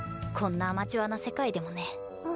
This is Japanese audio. こんなアマチュアな世界でもね。